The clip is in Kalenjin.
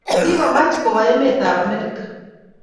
Kigomach kowa emetab Amerika